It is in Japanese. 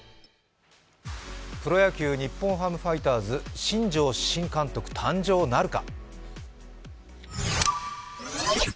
プロ野球、日本ハムファイターズ、新庄新監督誕生なるか。